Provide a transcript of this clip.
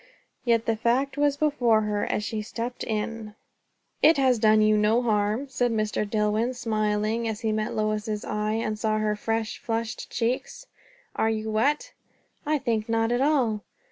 Yet the fact was before her as she stepped in. "It has done you no harm!" said Mr. Dillwyn, smiling, as he met Lois's eyes, and saw her fresh, flushed cheeks. "Are you wet?" "I think not at all."